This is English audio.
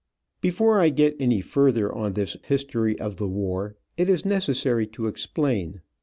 {*}* [Before I get any further on this history of the war, it is necessary to explain.